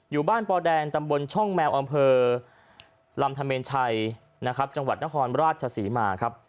อยู่บ้านปอแดงตำบลช่องแมวอำเภอลำธเมนชัยนะครับจังหวัดนครราชศรีมาครับ